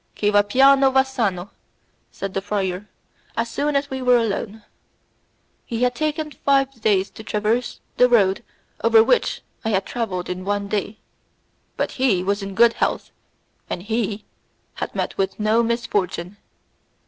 "Chi va piano va sano," said the friar as soon as we were alone. He had taken five days to traverse the road over which I had travelled in one day, but he was in good health, and he had met with no misfortune.